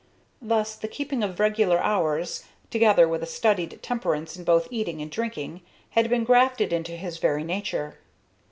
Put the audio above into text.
Thus the keeping of regular hours, together with a studied temperance in both eating and drinking, had been grafted into his very nature.